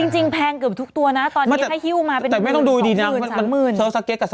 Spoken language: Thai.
จริงยายาเล่น